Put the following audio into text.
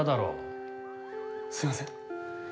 すいません。